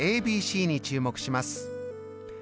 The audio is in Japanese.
ＡＢＣに注目します。